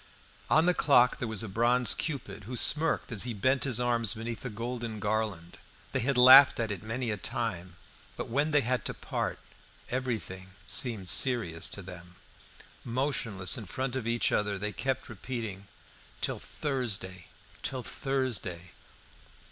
On the clock there was a bronze cupid, who smirked as he bent his arm beneath a golden garland. They had laughed at it many a time, but when they had to part everything seemed serious to them. Motionless in front of each other, they kept repeating, "Till Thursday, till Thursday."